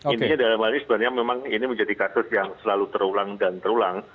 intinya dalam hal ini sebenarnya memang ini menjadi kasus yang selalu terulang dan terulang